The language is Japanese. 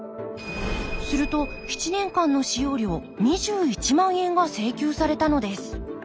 すると７年間の使用料２１万円が請求されたのです